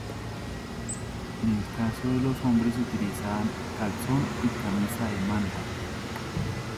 En el caso de los hombres se utilizan calzón y camisa de manta.